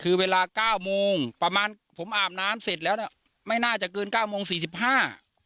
คือเวลาเก้าโมงประมาณผมอาบน้ำเสร็จแล้วเนี้ยไม่น่าจะเกินเก้าโมงสี่สิบห้า